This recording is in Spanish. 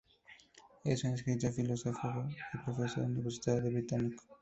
Es un escritor, filólogo y profesor universitario británico.